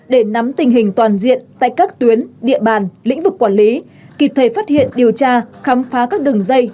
để nắm tình hình toàn diện tại các tuyến địa bàn lĩnh vực quản lý kịp thời phát hiện điều tra khám phá các đường dây